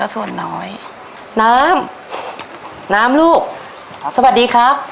สวัสดีครับ